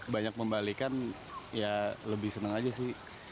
banyak membalikan ya lebih senang aja sih